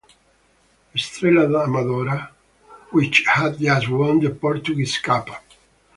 Estrela da Amadora, which had just won the Portuguese Cup.